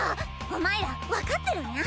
お前ら分かってるにゃ？